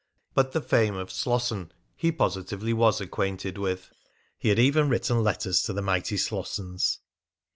but the fame of Slosson he positively was acquainted with! He had even written letters to the mighty Slossons.